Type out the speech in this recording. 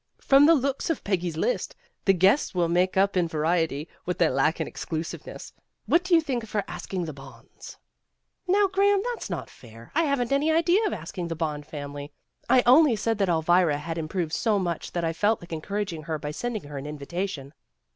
"From the looks of Peggy's list, the guests will make up in variety what they lack in exclusiveness. What do you think of her asking the Bonds?" "Now, Graham, that's not fair. I haven't 284 A SURPRISE 285 any idea of asking the Bond family. I only said that Elvira had improved so much that I felt like encouraging her by sending her an invitation.